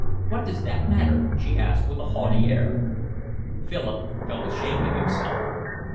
"What does that matter?" she asked, with a haughty air. Philip felt ashamed of himself.